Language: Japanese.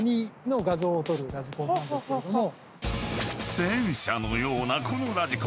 ［戦車のようなこのラジコン］